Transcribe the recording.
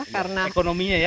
karena ekonominya ya